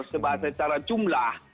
sebagai secara jumlah